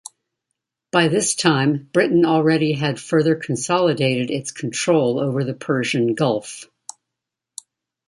By this time Britain already had further consolidated its control over the Persian Gulf.